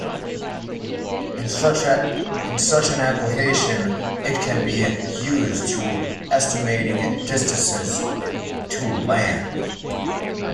In such an application, it can be used for estimating distances to land.